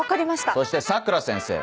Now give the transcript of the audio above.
そして佐倉先生。